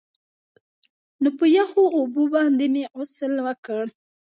نو په يخو اوبو باندې مې غسل وکړ.